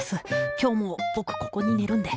今日も僕ここに寝るんで。